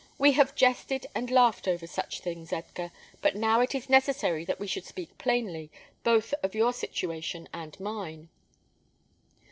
We have jested and laughed over such things, Edgar; but now it is necessary that we should speak plainly, both of your situation and mine."